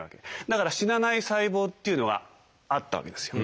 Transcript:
だから死なない細胞っていうのがあったわけですよ。